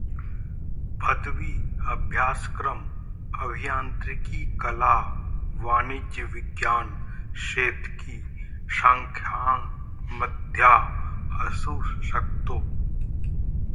पदवी अभ्यासक्रम अभियांत्रिकी, कला, वाणिज्य, विज्ञान, शेतकी शाखांमध्या असू शकतो.